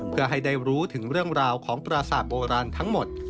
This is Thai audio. เพื่อให้ได้รู้ถึงเรื่องราวของปราศาสตร์โบราณทั้งหมด